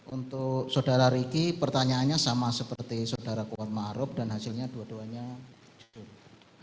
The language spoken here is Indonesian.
untuk saudara riki pertanyaannya sama seperti saudara kuat ma'aruf dan hasilnya dua duanya jujur